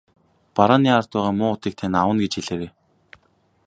Барааны ард байгаа муу уутыг тань авна гэж хэлээрэй.